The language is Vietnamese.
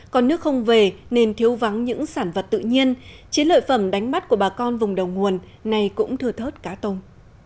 còn nước không về nên thiếu vắng những sản vật tự nhiên chế lợi phẩm đánh mắt của bà con vùng đầu nguồn này cũng thừa thớt cá tông